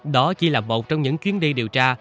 đó chỉ là một trong những chuyến đi điều tra